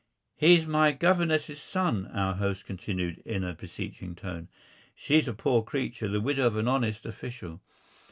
"He's my governess's son," our host continued in a beseeching tone. "She's a poor creature, the widow of an honest official.